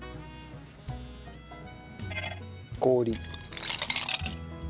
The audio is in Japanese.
氷。